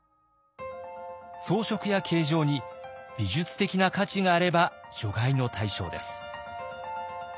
装飾や形状に美術的な価値があれば除外の対象です。